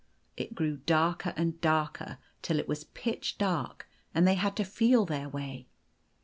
It grew darker and darker, till it was pitch dark, and they had to feel their way.